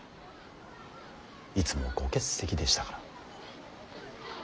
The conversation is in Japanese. いつもご欠席でしたから。